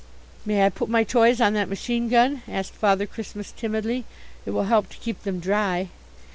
"May I put my toys on that machine gun?" asked Father Christmas timidly. "It will help to keep them dry."